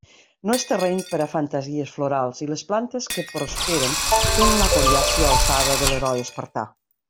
No és terreny per a fantasies florals, i les plantes que prosperen tenen la coriàcia ossada de l'heroi espartà.